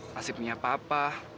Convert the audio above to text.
masih punya papa